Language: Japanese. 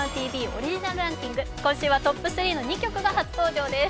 オリジナルランキング、今週はトップ３の２曲が初登場です。